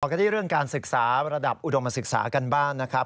กันที่เรื่องการศึกษาระดับอุดมศึกษากันบ้างนะครับ